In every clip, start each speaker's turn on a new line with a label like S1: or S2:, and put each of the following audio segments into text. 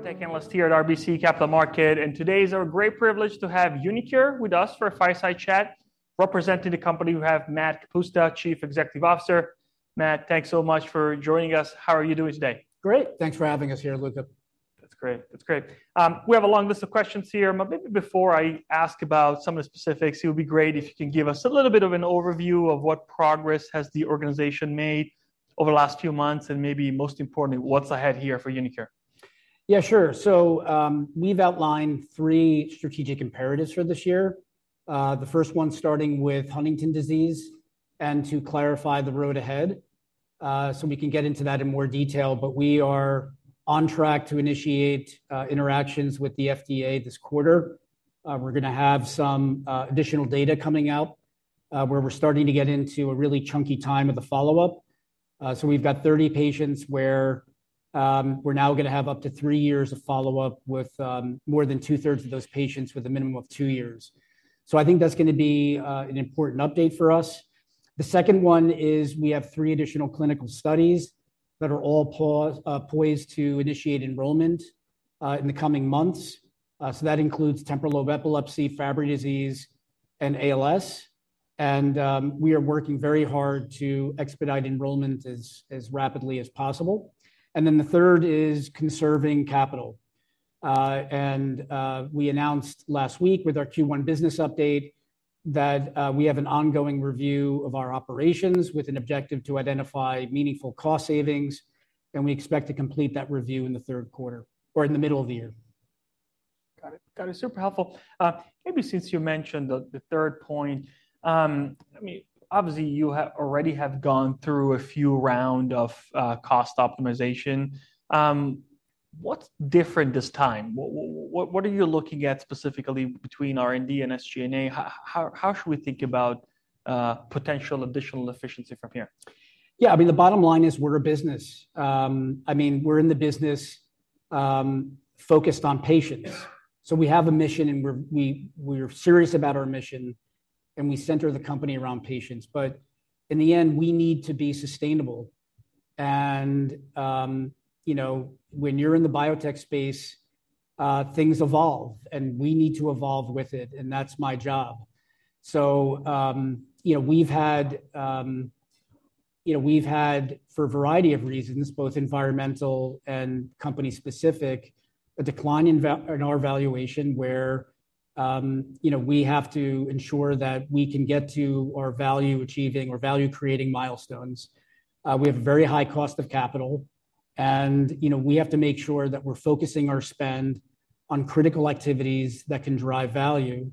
S1: Biotech analyst here at RBC Capital Markets, and today is our great privilege to have uniQure with us for a fireside chat. Representing the company, we have Matt Kapusta, Chief Executive Officer. Matt, thanks so much for joining us. How are you doing today?
S2: Great. Thanks for having us here, Luca.
S1: That's great, that's great. We have a long list of questions here, but maybe before I ask about some of the specifics, it would be great if you can give us a little bit of an overview of what progress has the organization made over the last few months, and maybe most importantly, what's ahead here for uniQure?
S2: Yeah, sure. So, we've outlined three strategic imperatives for this year. The first one starting with Huntington's disease, and to clarify the road ahead, so we can get into that in more detail, but we are on track to initiate interactions with the FDA this quarter. We're gonna have some additional data coming out, where we're starting to get into a really chunky time of the follow-up. So we've got 30 patients where, we're now gonna have up to 3 years of follow-up with, more than 2/3 of those patients with a minimum of 2 years. So I think that's gonna be an important update for us. The second one is we have three additional clinical studies that are all poised to initiate enrollment in the coming months. So that includes temporal lobe epilepsy, Fabry disease, and ALS. And we are working very hard to expedite enrollment as rapidly as possible. And then the third is conserving capital. And we announced last week with our Q1 business update that we have an ongoing review of our operations with an objective to identify meaningful cost savings, and we expect to complete that review in the third quarter or in the middle of the year.
S1: Got it. Got it. Super helpful. Maybe since you mentioned the third point, I mean, obviously, you have already have gone through a few round of cost optimization. What's different this time? What are you looking at specifically between R&D and SG&A? How should we think about potential additional efficiency from here?
S2: Yeah, I mean, the bottom line is we're a business. I mean, we're in the business focused on patients. So we have a mission, and we're serious about our mission, and we center the company around patients. But in the end, we need to be sustainable. And, you know, when you're in the biotech space, things evolve, and we need to evolve with it, and that's my job. So, you know, we've had, for a variety of reasons, both environmental and company-specific, a decline in our valuation where, you know, we have to ensure that we can get to our value-achieving or value-creating milestones. We have a very high cost of capital, and, you know, we have to make sure that we're focusing our spend on critical activities that can drive value,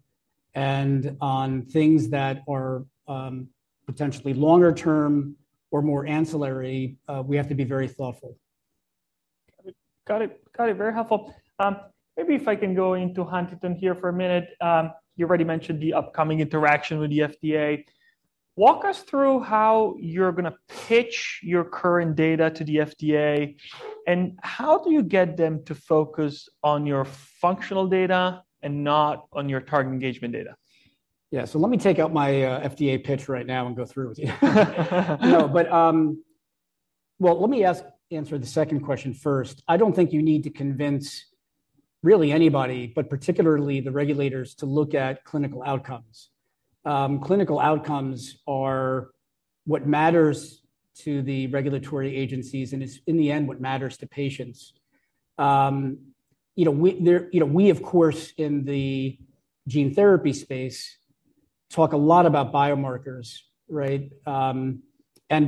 S2: and on things that are, potentially longer term or more ancillary, we have to be very thoughtful.
S1: Got it. Got it. Very helpful. Maybe if I can go into Huntington here for a minute. You already mentioned the upcoming interaction with the FDA. Walk us through how you're gonna pitch your current data to the FDA, and how do you get them to focus on your functional data and not on your target engagement data?
S2: Yeah. So let me take out my FDA pitch right now and go through with you. No, but... Well, let me answer the second question first. I don't think you need to convince really anybody, but particularly the regulators, to look at clinical outcomes. Clinical outcomes are what matters to the regulatory agencies, and it's, in the end, what matters to patients. You know, we, of course, in the gene therapy space, talk a lot about biomarkers, right? And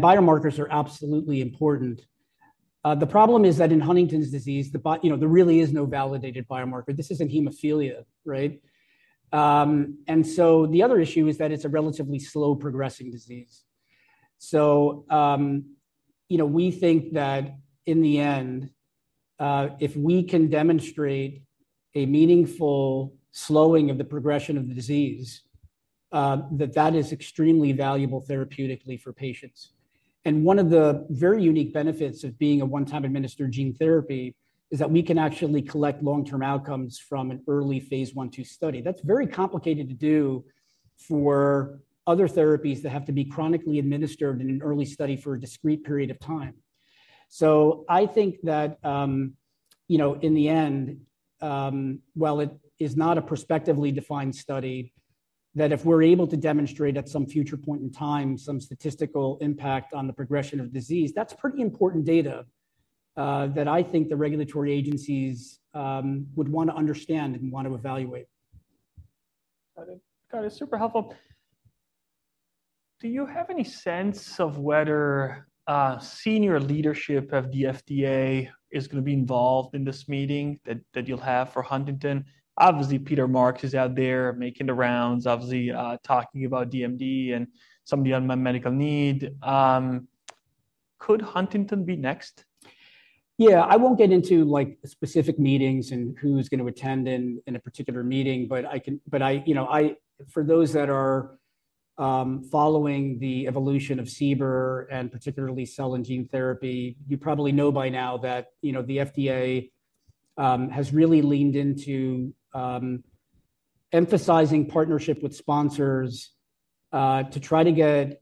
S2: biomarkers are absolutely important. The problem is that in Huntington's disease, you know, there really is no validated biomarker. This isn't hemophilia, right? And so the other issue is that it's a relatively slow-progressing disease. So, you know, we think that in the end, if we can demonstrate a meaningful slowing of the progression of the disease, that that is extremely valuable therapeutically for patients. And one of the very unique benefits of being a one-time administered gene therapy is that we can actually collect long-term outcomes from an early phase I/II study. That's very complicated to do for other therapies that have to be chronically administered in an early study for a discrete period of time. So I think that, you know, in the end, while it is not a prospectively defined study, that if we're able to demonstrate at some future point in time, some statistical impact on the progression of disease, that's pretty important data, that I think the regulatory agencies would want to understand and want to evaluate.
S1: Got it. Got it. Super helpful. Do you have any sense of whether senior leadership of the FDA is gonna be involved in this meeting that you'll have for Huntington? Obviously, Peter Marks is out there making the rounds, obviously, talking about DMD and somebody on unmet medical need. Could Huntington be next?
S2: Yeah, I won't get into, like, specific meetings and who's gonna attend in a particular meeting, but, you know, for those that are following the evolution of CBER, and particularly cell and gene therapy, you probably know by now that, you know, the FDA has really leaned into emphasizing partnership with sponsors to try to get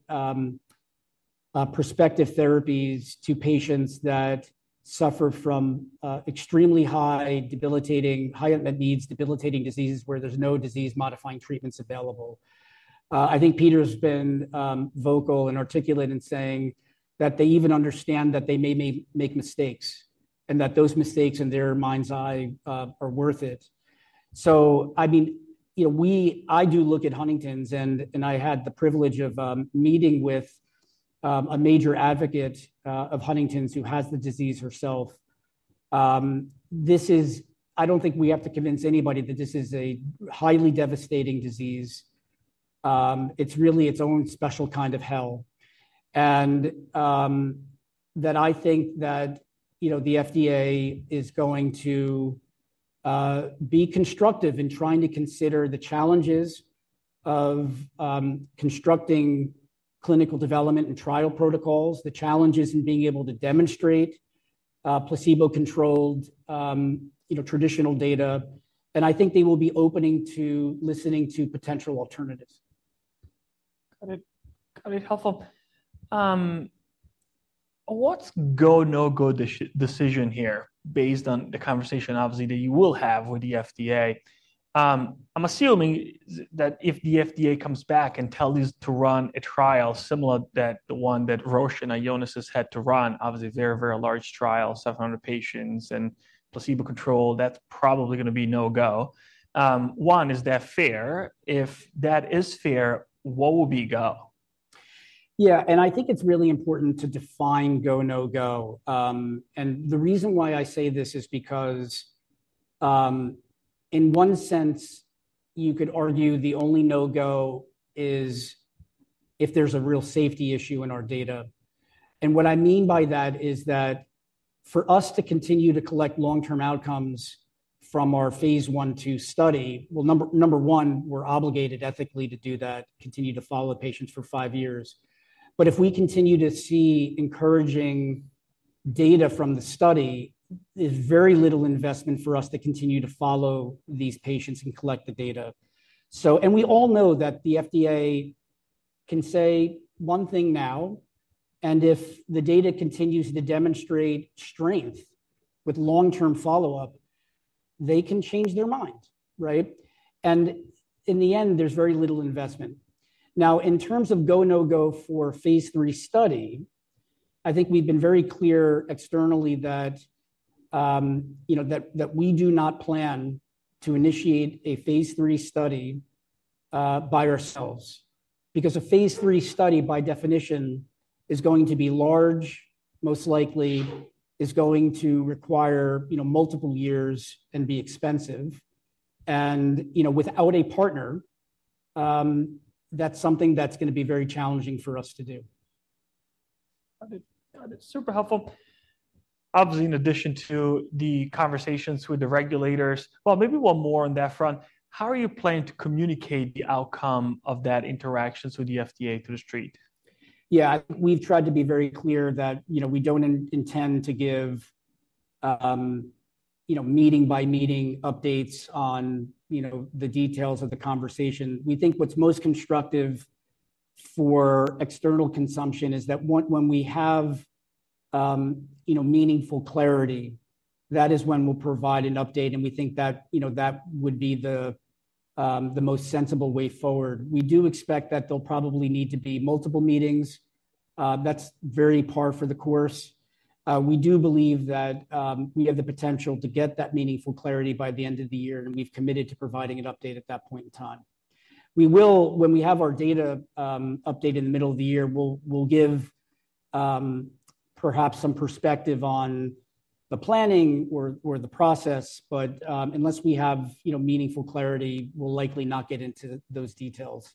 S2: prospective therapies to patients that suffer from extremely high debilitating, high unmet needs, debilitating diseases where there's no disease-modifying treatments available. I think Peter's been vocal and articulate in saying that they even understand that they may make mistakes, and that those mistakes, in their mind's eye, are worth it. So I mean, you know, we—I do look at Huntington's, and, and I had the privilege of meeting with a major advocate of Huntington's, who has the disease herself. This is—I don't think we have to convince anybody that this is a highly devastating disease. It's really its own special kind of hell. And that I think that, you know, the FDA is going to be constructive in trying to consider the challenges of constructing clinical development and trial protocols, the challenges in being able to demonstrate placebo-controlled, you know, traditional data, and I think they will be opening to listening to potential alternatives.
S1: Got it. Got it, helpful. What's the go-no-go decision here, based on the conversation, obviously, that you will have with the FDA? I'm assuming that if the FDA comes back and tells you to run a trial similar to the one that Roche and Ionis has had to run, obviously, very, very large trial, 700 patients and placebo-controlled, that's probably gonna be no-go. One, is that fair? If that is fair, what would be go?
S2: Yeah, and I think it's really important to define go, no-go. And the reason why I say this is because, in one sense, you could argue the only no-go is if there's a real safety issue in our data. And what I mean by that is that for us to continue to collect long-term outcomes from our phase I/II study, well, number one, we're obligated ethically to do that, continue to follow the patients for five years. But if we continue to see encouraging data from the study, there's very little investment for us to continue to follow these patients and collect the data. So... And we all know that the FDA can say one thing now, and if the data continues to demonstrate strength with long-term follow-up, they can change their mind, right? And in the end, there's very little investment. Now, in terms of go, no-go for phase III study, I think we've been very clear externally that, you know, we do not plan to initiate a phase III study by ourselves. Because a phase III study, by definition, is going to be large, most likely is going to require, you know, multiple years and be expensive. And, you know, without a partner, that's something that's gonna be very challenging for us to do.
S1: Got it, got it. Super helpful. Obviously, in addition to the conversations with the regulators... Well, maybe one more on that front. How are you planning to communicate the outcome of that interactions with the FDA to the street?
S2: Yeah, we've tried to be very clear that, you know, we don't intend to give, you know, meeting-by-meeting updates on, you know, the details of the conversation. We think what's most constructive for external consumption is that when we have, you know, meaningful clarity, that is when we'll provide an update, and we think that, you know, that would be the most sensible way forward. We do expect that there'll probably need to be multiple meetings. That's very par for the course. We do believe that we have the potential to get that meaningful clarity by the end of the year, and we've committed to providing an update at that point in time. We will. When we have our data update in the middle of the year, we'll give perhaps some perspective on the planning or the process, but unless we have, you know, meaningful clarity, we'll likely not get into those details.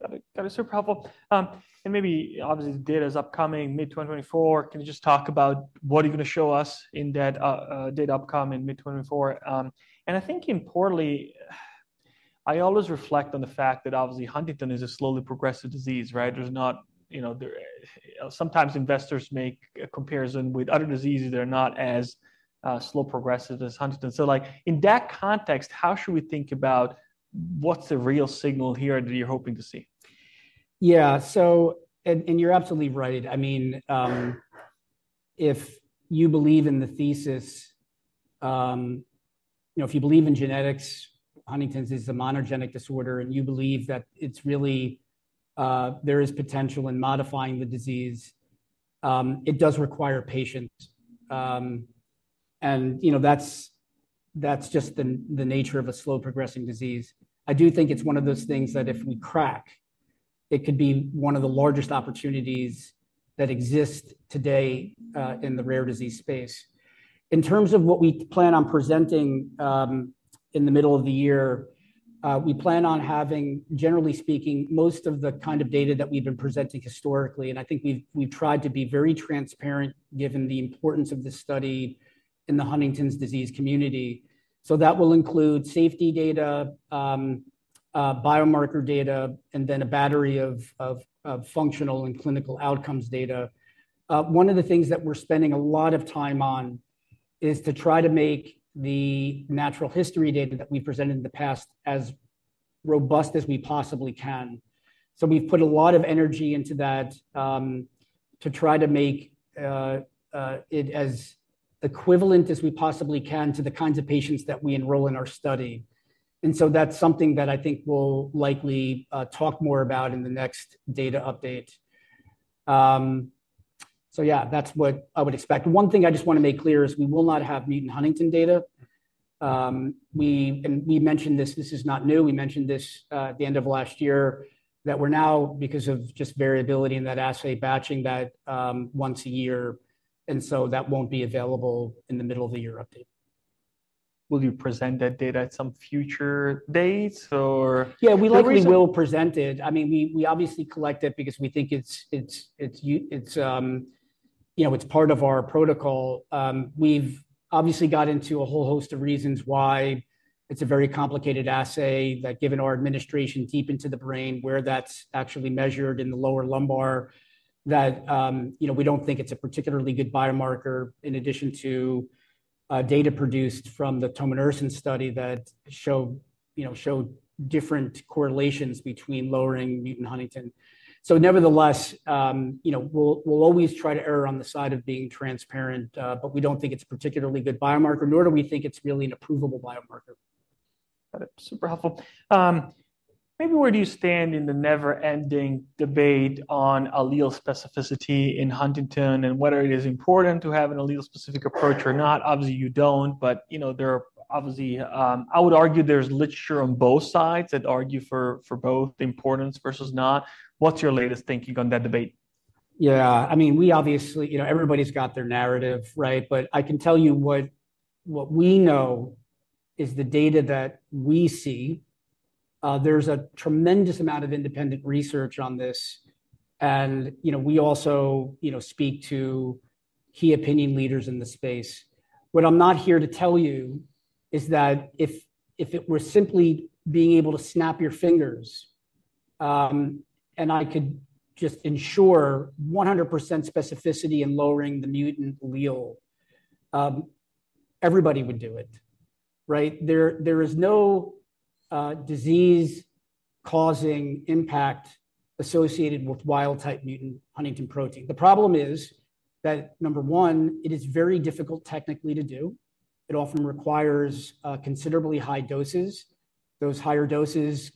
S1: Got it. That is super helpful. And maybe, obviously, the data is upcoming, mid-2024. Can you just talk about what are you going to show us in that data outcome in mid-2024? And I think importantly, I always reflect on the fact that obviously Huntington’s is a slowly progressive disease, right? There’s not, you know, there. Sometimes investors make a comparison with other diseases that are not as slow progressive as Huntington’s. So, like, in that context, how should we think about what’s the real signal here that you’re hoping to see?
S2: Yeah, so, and you're absolutely right. I mean, if you believe in the thesis, you know, if you believe in genetics, Huntington's is a monogenic disorder, and you believe that it's really, there is potential in modifying the disease, it does require patience. And, you know, that's just the nature of a slow-progressing disease. I do think it's one of those things that if we crack, it could be one of the largest opportunities that exist today, in the rare disease space. In terms of what we plan on presenting, in the middle of the year, we plan on having, generally speaking, most of the kind of data that we've been presenting historically, and I think we've tried to be very transparent, given the importance of this study in the Huntington's disease community. So that will include safety data, biomarker data, and then a battery of functional and clinical outcomes data. One of the things that we're spending a lot of time on is to try to make the natural history data that we presented in the past as robust as we possibly can. So we've put a lot of energy into that, to try to make it as equivalent as we possibly can to the kinds of patients that we enroll in our study. And so that's something that I think we'll likely talk more about in the next data update. So yeah, that's what I would expect. One thing I just want to make clear is we will not have mutant huntingtin data. And we mentioned this, this is not new. We mentioned this, at the end of last year, that we're now, because of just variability in that assay, batching that, once a year, and so that won't be available in the middle-of-the-year update.
S1: Will you present that data at some future date, or?
S2: Yeah, we likely will present it. I mean, we obviously collect it because we think it's, you know, it's part of our protocol. We've obviously got into a whole host of reasons why it's a very complicated assay that, given our administration deep into the brain, where that's actually measured in the lower lumbar, that, you know, we don't think it's a particularly good biomarker, in addition to, data produced from the tominersen study that showed, you know, showed different correlations between lowering mutant huntingtin. So nevertheless, you know, we'll always try to err on the side of being transparent, but we don't think it's a particularly good biomarker, nor do we think it's really an approvable biomarker.
S1: Got it. Super helpful. Maybe where do you stand in the never-ending debate on allele specificity in Huntington and whether it is important to have an allele-specific approach or not? Obviously, you don't, but, you know, there are obviously, I would argue there's literature on both sides that argue for, for both the importance versus not. What's your latest thinking on that debate?
S2: Yeah, I mean, we obviously, you know, everybody's got their narrative, right? But I can tell you what, what we know is the data that we see. There's a tremendous amount of independent research on this, and, you know, we also, you know, speak to key opinion leaders in the space. What I'm not here to tell you is that if, if it were simply being able to snap your fingers, and I could just ensure 100% specificity in lowering the mutant allele, everybody would do it, right? There, there is no disease-causing impact associated with wild-type mutant huntingtin protein. The problem is that, number one, it is very difficult technically to do. It often requires considerably high doses. Those higher doses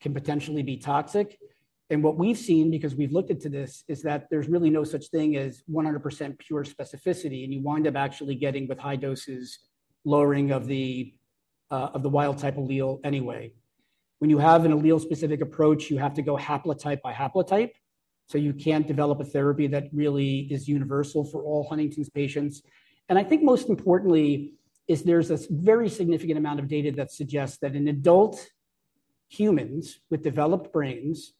S2: can potentially be toxic. And what we've seen, because we've looked into this, is that there's really no such thing as 100% pure specificity, and you wind up actually getting, with high doses, lowering of the wild-type allele anyway. When you have an allele-specific approach, you have to go haplotype by haplotype, so you can't develop a therapy that really is universal for all Huntington's patients. And I think most importantly is there's this very significant amount of data that suggests that in adult humans with developed brains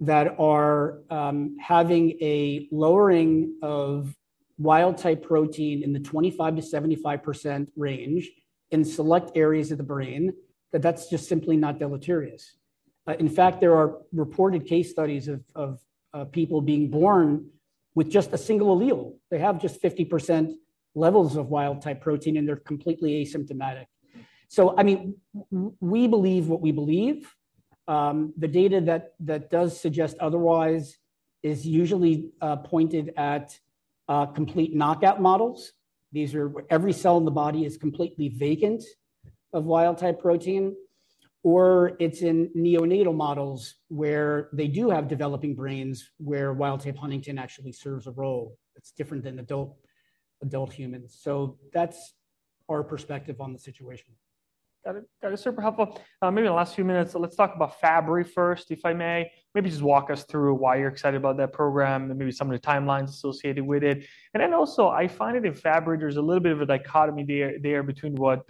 S2: that are having a lowering of wild-type protein in the 25%-75% range in select areas of the brain, that that's just simply not deleterious. In fact, there are reported case studies of people being born with just a single allele. They have just 50% levels of wild-type protein, and they're completely asymptomatic. So I mean, we believe what we believe. The data that does suggest otherwise is usually pointed at complete knockout models. These are every cell in the body is completely vacant of wild-type protein, or it's in neonatal models, where they do have developing brains, where wild-type huntingtin actually serves a role that's different than adult humans. So that's our perspective on the situation.
S1: Got it. Got it, super helpful. Maybe in the last few minutes, let's talk about Fabry first, if I may. Maybe just walk us through why you're excited about that program, and maybe some of the timelines associated with it. And then also, I find it in Fabry, there's a little bit of a dichotomy there between what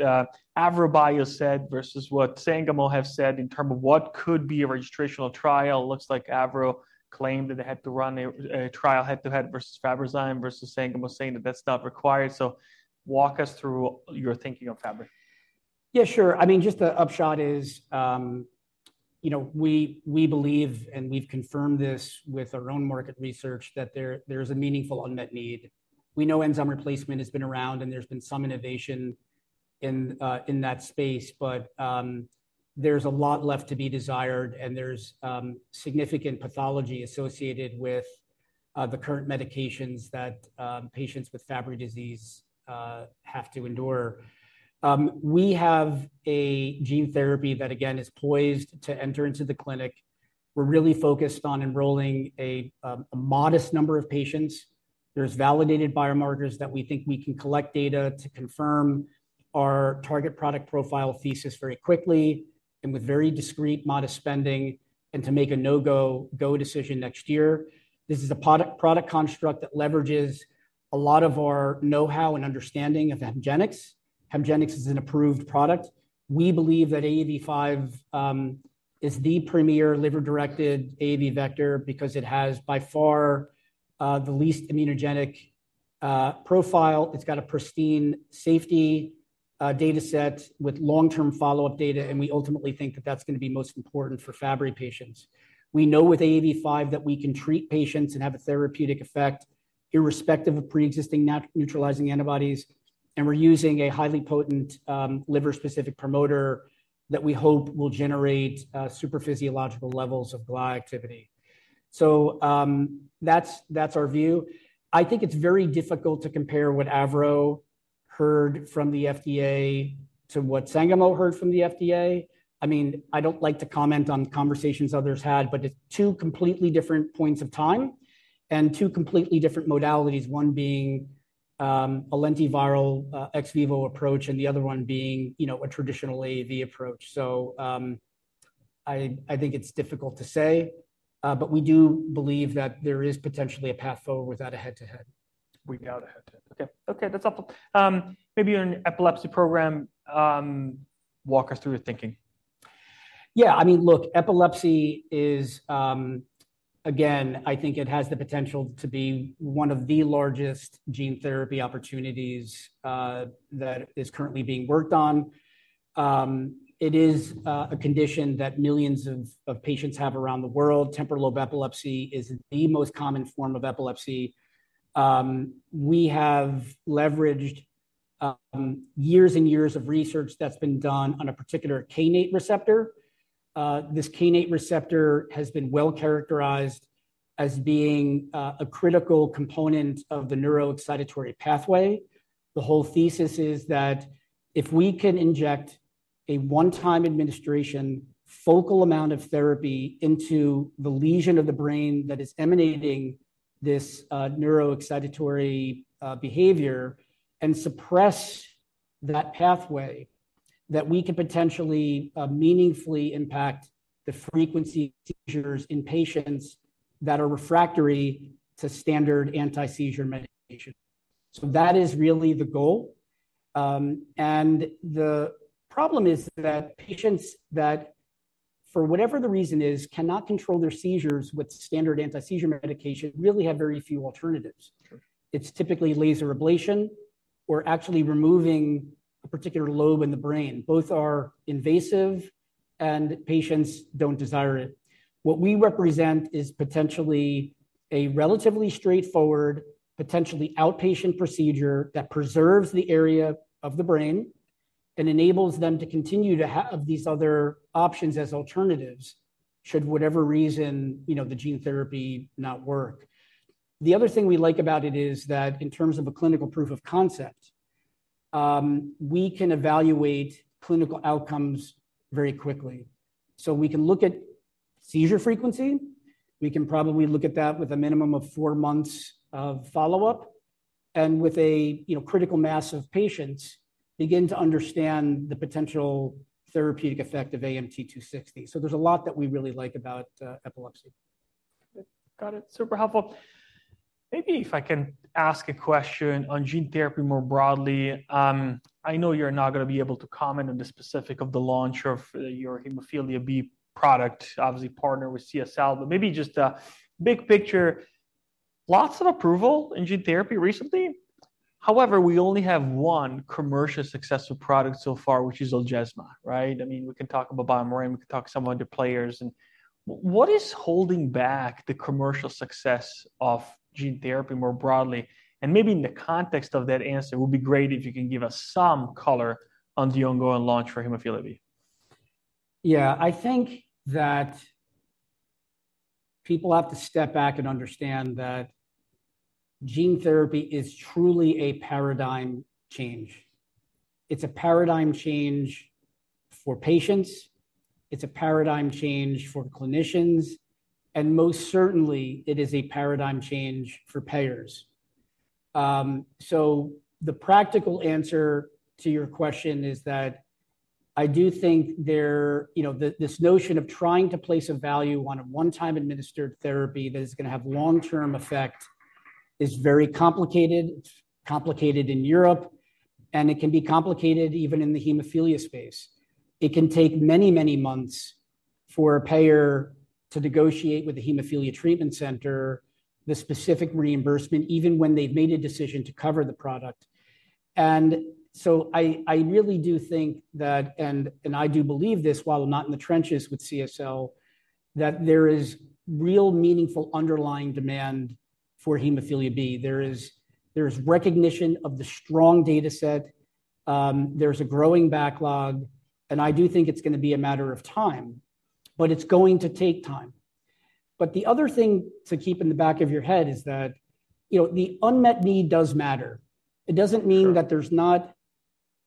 S1: AVROBIO said versus what Sangamo have said in terms of what could be a registrational trial. It looks like Avro claimed that they had to run a trial head-to-head versus Fabrazyme versus Sangamo saying that that's not required. So walk us through your thinking on Fabry.
S2: Yeah, sure. I mean, just the upshot is, you know, we believe, and we've confirmed this with our own market research, that there is a meaningful unmet need. We know enzyme replacement has been around, and there's been some innovation in that space, but, there's a lot left to be desired, and there's significant pathology associated with the current medications that patients with Fabry disease have to endure. We have a gene therapy that, again, is poised to enter into the clinic. We're really focused on enrolling a modest number of patients. There's validated biomarkers that we think we can collect data to confirm our target product profile thesis very quickly and with very discrete, modest spending, and to make a no-go, go decision next year. This is a product construct that leverages a lot of our know-how and understanding of Hemgenix. Hemgenix is an approved product. We believe that AAV5 is the premier liver-directed AAV vector because it has, by far, the least immunogenic profile. It's got a pristine safety data set with long-term follow-up data, and we ultimately think that that's going to be most important for Fabry patients. We know with AAV5 that we can treat patients and have a therapeutic effect, irrespective of pre-existing neutralizing antibodies and we're using a highly potent liver-specific promoter that we hope will generate super physiological levels of GLA activity. So, that's our view. I think it's very difficult to compare what AVROBIO heard from the FDA to what Sangamo heard from the FDA. I mean, I don't like to comment on conversations others had, but it's two completely different points of time and two completely different modalities, one being, a lentiviral, ex vivo approach, and the other one being, you know, a traditional AAV approach. So, I, I think it's difficult to say, but we do believe that there is potentially a path forward without a head-to-head.
S1: Without a head-to-head. Okay. Okay, that's helpful. Maybe on epilepsy program, walk us through your thinking. Yeah, I mean, look, epilepsy is, again, I think it has the potential to be one of the largest gene therapy opportunities that is currently being worked on. It is a condition that millions of patients have around the world. Temporal lobe epilepsy is the most common form of epilepsy. We have leveraged years and years of research that's been done on a particular kainate receptor. This kainate receptor has been well-characterized as being a critical component of the neuroexcitatory pathway. The whole thesis is that if we can inject a one-time administration, focal amount of therapy into the lesion of the brain that is emanating this neuroexcitatory behavior and suppress that pathway, that we can potentially meaningfully impact the frequency of seizures in patients that are refractory to standard anti-seizure medication. So that is really the goal. The problem is that patients that, for whatever the reason is, cannot control their seizures with standard anti-seizure medication, really have very few alternatives. Sure.
S2: It's typically laser ablation or actually removing a particular lobe in the brain. Both are invasive, and patients don't desire it. What we represent is potentially a relatively straightforward, potentially outpatient procedure that preserves the area of the brain and enables them to continue to have these other options as alternatives, should whatever reason, you know, the gene therapy not work. The other thing we like about it is that in terms of a clinical proof of concept, we can evaluate clinical outcomes very quickly. So we can look at seizure frequency, we can probably look at that with a minimum of four months of follow-up, and with a, you know, critical mass of patients, begin to understand the potential therapeutic effect of AMT-260. So there's a lot that we really like about, epilepsy.
S1: Got it. Super helpful. Maybe if I can ask a question on gene therapy more broadly, I know you're not gonna be able to comment on the specific of the launch of your hemophilia B product, obviously, partner with CSL, but maybe just a big picture, lots of approval in gene therapy recently. However, we only have one commercial successful product so far, which is Zolgensma, right? I mean, we can talk about BioMarin, we can talk some other players, and what is holding back the commercial success of gene therapy more broadly? And maybe in the context of that answer, it would be great if you can give us some color on the ongoing launch for hemophilia B.
S2: Yeah, I think that people have to step back and understand that gene therapy is truly a paradigm change. It's a paradigm change for patients, it's a paradigm change for clinicians, and most certainly, it is a paradigm change for payers. So the practical answer to your question is that I do think... You know, this notion of trying to place a value on a one-time administered therapy that is gonna have long-term effect is very complicated. It's complicated in Europe, and it can be complicated even in the hemophilia space. It can take many, many months for a payer to negotiate with the hemophilia treatment center, the specific reimbursement, even when they've made a decision to cover the product. I really do think that, and I do believe this, while I'm not in the trenches with CSL, that there is real meaningful underlying demand for hemophilia B. There is recognition of the strong data set. There's a growing backlog, and I do think it's gonna be a matter of time, but it's going to take time. But the other thing to keep in the back of your head is that, you know, the unmet need does matter.
S1: Sure.
S2: It doesn't mean that there's not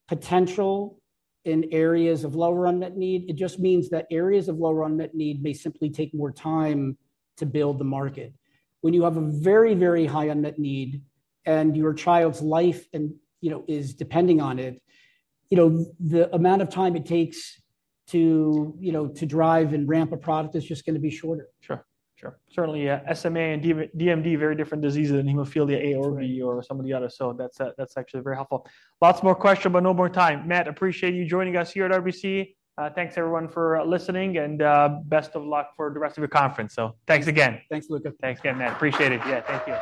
S2: potential in areas of lower unmet need. It just means that areas of lower unmet need may simply take more time to build the market. When you have a very, very high unmet need, and your child's life and, you know, is depending on it, you know, the amount of time it takes to, you know, to drive and ramp a product is just gonna be shorter.
S1: Sure, sure. Certainly, SMA and DMD, very different diseases than hemophilia A or B-
S2: That's right.
S1: or some of the others. So that's, that's actually very helpful. Lots more questions, but no more time. Matt, appreciate you joining us here at RBC. Thanks, everyone, for listening, and best of luck for the rest of your conference. So thanks again.
S2: Thanks, Luca.
S1: Thanks again, Matt. Appreciate it. Yeah, thank you.